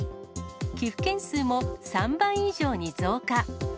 寄付件数も３倍以上に増加。